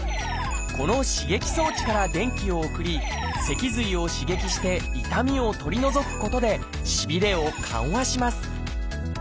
この刺激装置から電気を送り脊髄を刺激して痛みを取り除くことでしびれを緩和します。